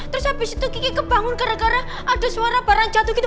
terus abis itu kiki kebangun gara gara ada suara barang jatuh gitu